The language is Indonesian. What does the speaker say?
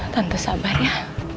tante sabar ya